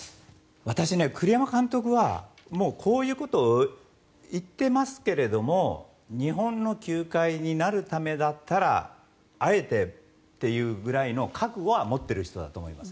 私、栗山監督はこういうことを言っていますけれども日本の球界になるためだったらあえてというくらいの覚悟は持っている人だと思います。